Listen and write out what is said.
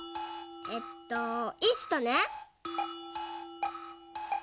えっと「イースト」ね。